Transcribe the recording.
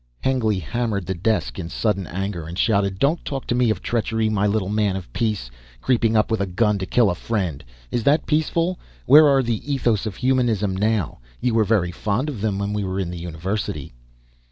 Hengly hammered the desk in sudden anger and shouted. "Don't talk to me of treachery, my little man of peace. Creeping up with a gun to kill a friend. Is that peaceful? Where are the ethos of humanism now, you were very fond of them when we were in the University!"